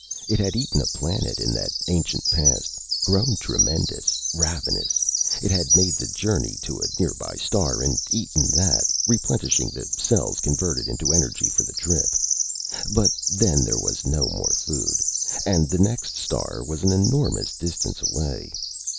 It had eaten a planet in that ancient past. Grown tremendous, ravenous, it had made the journey to a nearby star and eaten that, replenishing the cells converted into energy for the trip. But then there was no more food, and the next star was an enormous distance away.